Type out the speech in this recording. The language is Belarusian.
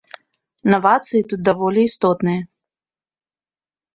Навацыі тут даволі істотныя.